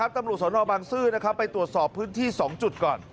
ตำรวจสนบางซื่อไปตรวจสอบพื้นที่๒จุดก่อน